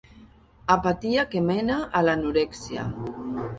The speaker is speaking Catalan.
Apatia que mena a l'anorèxia.